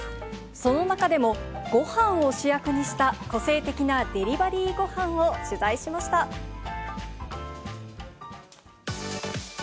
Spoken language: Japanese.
その中でも、ごはんを主役にした、個性的なデリバリーごはんを取材しました。